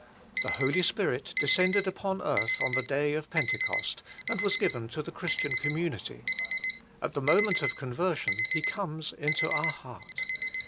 The Holy Spirit descended upon the earth on the day of Pentecost and was given to the Christian community. At the moment of conversion He comes into our heart.